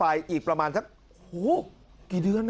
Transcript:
อาทิตย์๒๕อาทิตย์